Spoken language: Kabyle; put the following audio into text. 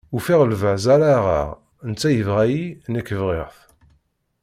Ufiɣ lbaz ara aɣeɣ, netta yebɣa-yi, nekk bɣiɣ-t.